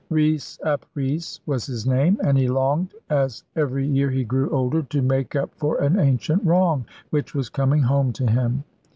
Rees ap Rees was his name, and he longed, as every year he grew older, to make up for an ancient wrong, which was coming home to him.